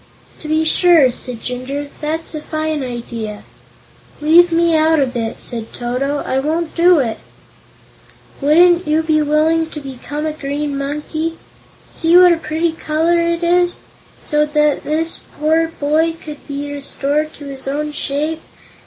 "To be sure!" cried Jinjur. "That's a fine idea." "Leave me out of it," said Toto. "I won't do it." "Wouldn't you be willing to become a green monkey see what a pretty color it is so that this poor boy could be restored to his own shape?"